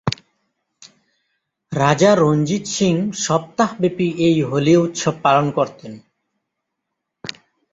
রাজা রঞ্জিত সিংহ সপ্তাহ ব্যাপী এই হোলি উৎসব পালন করতেন।